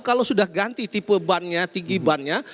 kalau sudah ganti tipe bannya tinggi bannya